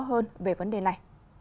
hơn về vấn đề này